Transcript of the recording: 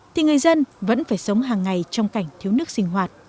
thì người dân vẫn phải sống hàng ngày trong cảnh thiếu nước sinh hoạt